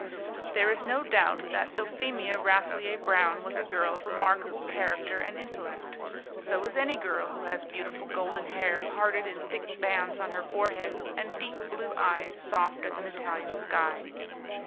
There is no doubt that Dulphemia Rasselyer Brown was a girl of remarkable character and intellect. So is any girl who has beautiful golden hair parted in thick bands on her forehead, and deep blue eyes soft as an Italian sky.